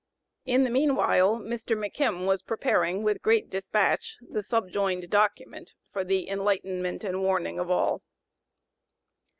In the meanwhile Mr. McKim was preparing, with great dispatch, the subjoined document for the enlightenment and warning of all.